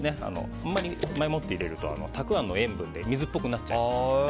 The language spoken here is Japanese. あまり前もって入れるとたくあんの塩分で水っぽくなっちゃいますので。